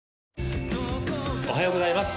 おはようございます